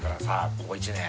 ここ一年。